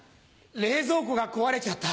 冷蔵庫が壊れちゃった。